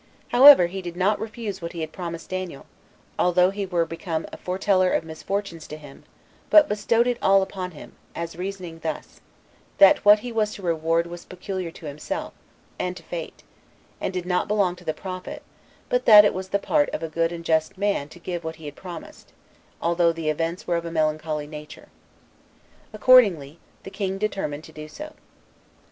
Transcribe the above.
However, he did not refuse what he had promised Daniel, although he were become a foreteller of misfortunes to him, but bestowed it all upon him; as reasoning thus, that what he was to reward was peculiar to himself, and to fate, and did not belong to the prophet, but that it was the part of a good and a just man to give what he had promised, although the events were of a melancholy nature. Accordingly, the king determined so to do.